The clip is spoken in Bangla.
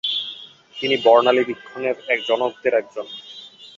তিনি বর্ণালীবীক্ষণের জনকদের একজন।